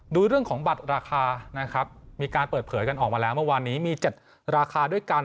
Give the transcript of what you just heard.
ดูเรื่องของบัตรราคานะครับมีการเปิดเผยกันออกมาแล้วเมื่อวานนี้มี๗ราคาด้วยกัน